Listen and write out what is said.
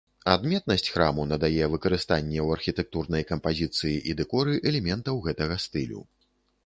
Адметнасць храму надае выкарыстанне ў архітэктурнай кампазіцыі і дэкоры элементаў гэтага стылю.